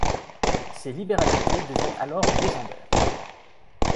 Ses libéralités deviennent alors légendaires.